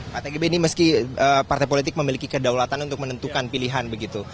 pak tgb ini meski partai politik memiliki kedaulatan untuk menentukan pilihan begitu